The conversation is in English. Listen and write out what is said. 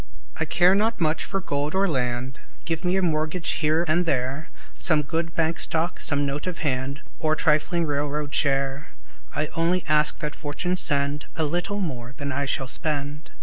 I care not much for gold or land; Give me a mortgage here and there, Some good bank stock, some note of hand, Or trifling railroad share, I only ask that Fortune send A little more than I shall spend.